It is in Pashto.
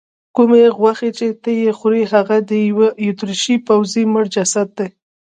کومې غوښې چې ته یې خورې هغه د یوه اتریشي پوځي مړ جسد دی.